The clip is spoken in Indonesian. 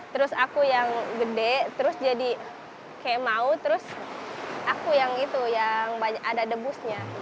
terus aku yang gede terus jadi kayak mau terus aku yang itu yang ada debusnya